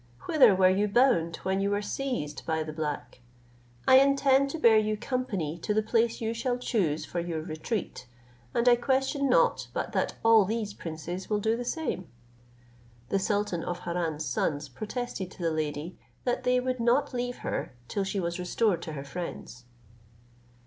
Whither were you bound when you were seized by the black? I intend to bear you company to the place you shall choose for your retreat, and I question not but that all these princes will do the same." The sultan of Harran's sons protested to the lady, that they would not leave her till she was restored to her friends.